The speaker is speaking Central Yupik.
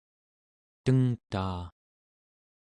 tengtaa